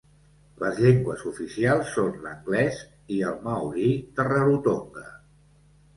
Les llengües oficials són l'anglès i el maori de Rarotonga.